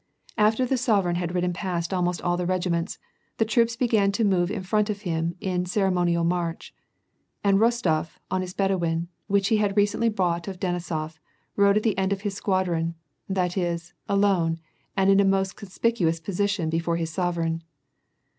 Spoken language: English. After the sovereign had ridden past almost all the regi ments, the troops began to move in front of him in the " cere monial march," and Rostof, on his Bedouin, which he had recently bought of Denisof, rode at the end of his squadron, that is, alone, and in a most conspicuous position before his sovereign.